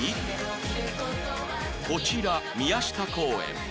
こちら宮下公園も